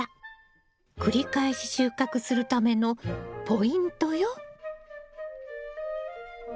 繰り返し収穫するためのポイントよ。